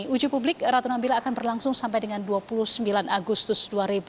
ketika ini publik ratu nabila akan berlangsung sampai dengan dua puluh sembilan agustus dua ribu sembilan belas